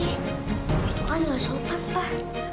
itu kan gak sopan